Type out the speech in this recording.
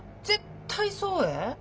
絶対そうえ。